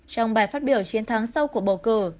trong bài phát biểu chiến thắng sau cuộc bầu cử